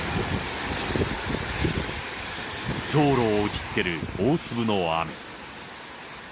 道路を打ちつける大粒の雨。